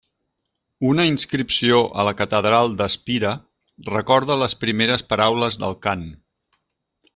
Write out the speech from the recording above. Una inscripció a la Catedral d'Espira recorda les primeres paraules del cant.